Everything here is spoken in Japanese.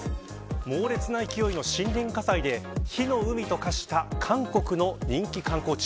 猛烈な勢いの森林火災で火の海と化した韓国の人気観光地。